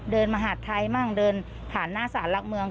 มหาดไทยมั่งเดินผ่านหน้าสารหลักเมือง